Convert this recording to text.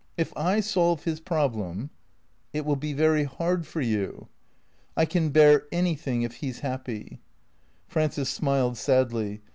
" If I solve his problem "" It will be very hard for you." " I can bear anything if he 's happy." Frances smiled sadly.